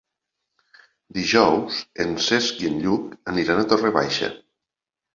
Dijous en Cesc i en Lluc aniran a Torre Baixa.